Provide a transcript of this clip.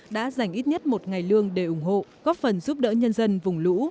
đã dành ít nhất một ngày lương để ủng hộ góp phần giúp đỡ nhân dân vùng lũ